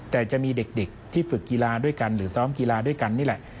แต่จะมีเด็กที่ฝึกกีฬาด้วยกันหรือซ้อมกีฬาด้วยกันนี่แหละ